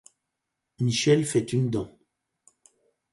Michelle fait une dent.